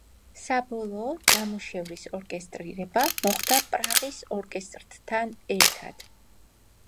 საბოლოო ნამუშევრის ორკესტრირება მოხდა პრაღის ორკესტრთან ერთად.